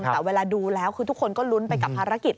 แต่เวลาดูแล้วคือทุกคนก็ลุ้นไปกับภารกิจ